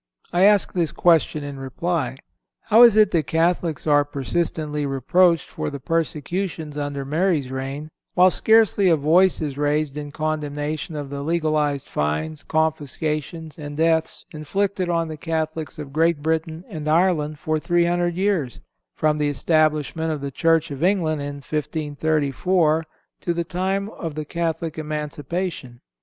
I ask this question in reply: _How is it that Catholics are persistently reproached __ for the persecutions under Mary's reign, while scarcely a voice is raised in condemnation of the legalized fines, confiscations and deaths inflicted on the Catholics of Great Britain and Ireland for three hundred years—from the establishment of the church of England, in 1534, to the time of the Catholic emancipation?